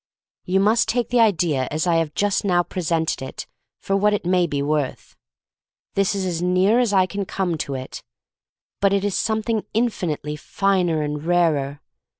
You must take the idea as I have just now presented it for what it may be worth. This is as near as I can come to it. But it is something infinitely finer and rarer.